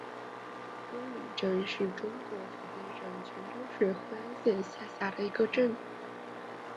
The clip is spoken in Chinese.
东岭镇是中国福建省泉州市惠安县下辖的一个镇。